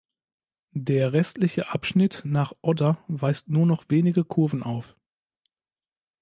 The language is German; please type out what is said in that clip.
Der restliche Abschnitt nach Odder weist nur noch wenige Kurven auf.